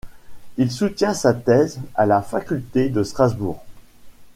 Il soutient sa thèse à la faculté de Strasbourg.